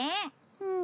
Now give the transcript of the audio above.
うん。